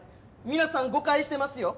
皆さん誤解してますよ。